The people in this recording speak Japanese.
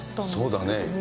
そうだね。